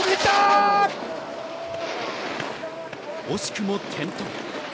惜しくも転倒。